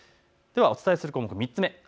ではお伝えする項目、３つ目です。